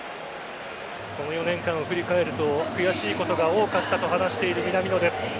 この４年間を振り返ると悔しいことが多かったと話している南野です。